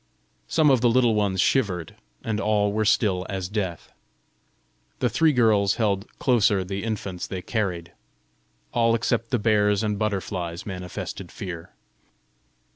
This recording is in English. Some of the Little Ones shivered, and all were still as death. The three girls held closer the infants they carried. All except the bears and butterflies manifested fear.